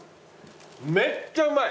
めっちゃうまい。